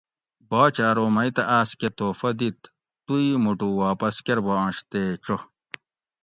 باچہ ارو مئ تہۤ آۤس کہ تحفہ دِت تو ای مُٹو واپس کۤر باںش تے چو